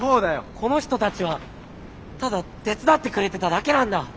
この人たちはただ手伝ってくれてただけなんだ。